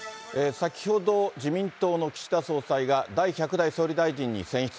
先ほど、自民党の岸田総裁が、第１００代総理大臣に選出。